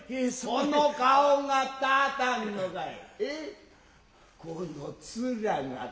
この顔が立たぬのかい。